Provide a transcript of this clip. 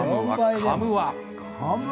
かむわ！